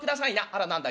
あら何だ